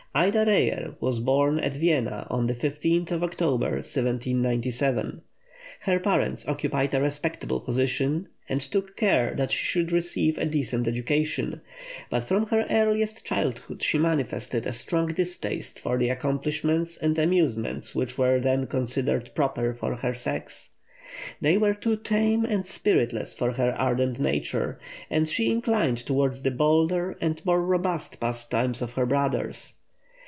Ida Reyer was born at Vienna on the 15th of October, 1797. Her parents occupied a respectable position, and took care that she should receive a decent education; but from her earliest childhood she manifested a strong distaste for the accomplishments and amusements which were then considered "proper" for her sex. They were too tame and spiritless for her ardent nature, and she inclined towards the bolder and more robust pastimes of her brothers.